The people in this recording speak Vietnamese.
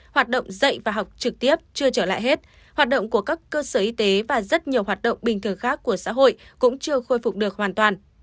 hoạt động dạy và học trực tiếp chưa trở lại hết hoạt động của các cơ sở y tế và rất nhiều hoạt động bình thường khác của xã hội cũng chưa khôi phục được hoàn toàn